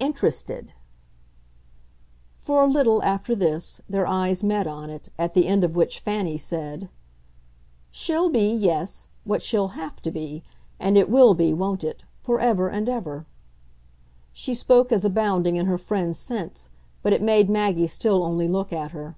"Interested." For a little, after this, their eyes met on it; at the end of which Fanny said: "She'll be yes what she'll HAVE to be. And it will be won't it? for ever and ever." She spoke as abounding in her friend's sense, but it made Maggie still only look at her.